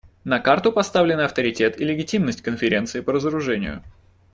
На карту поставлены авторитет и легитимность Конференции по разоружению.